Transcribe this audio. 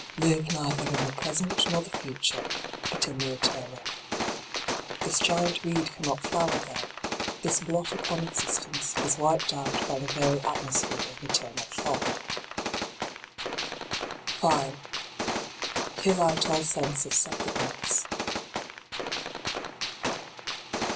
Live neither in the present nor the future, but in the eternal. This giant weed cannot flower there: this d by Google LIGHT ON THE PATH 7 blot upon existence is wiped out by the very atmosphere of eternal thought. 5. Kill out all sense of separateness.